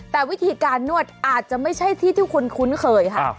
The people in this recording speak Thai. แต่วิธีการนวดอาจจะไม่ใช่ที่ที่คุณคุ้นเคยค่ะ